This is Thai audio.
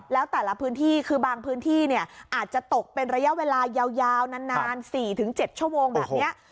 แล้วแต่ละพื้นที่คือบางพื้นที่อาจจะตกเป็นระยะเวลายาวนาน๔๗ชั่วโมงแบบนี้